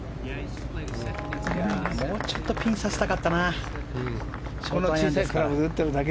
もうちょっとピン差したかったな。